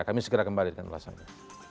kami segera kembali dengan ulasannya